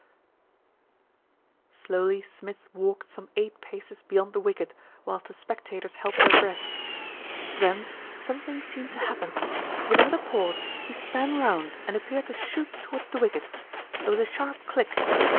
200 THE RETURN OF ALFRED Slowly Smith walked some eight paces beyond the wicket, whilst the spectators held their breath. Then something seemed to happen. Without a pause he span round and appeared to shoot towards the wicket. There was a sharp click.